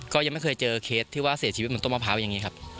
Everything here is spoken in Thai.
ก็ยังไม่เคยเจอเคสที่ว่าเสียชีวิตบนต้นมะพร้าวอย่างนี้ครับ